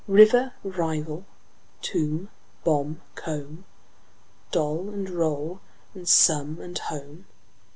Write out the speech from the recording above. River, rival; tomb, bomb, comb; Doll and roll and some and home.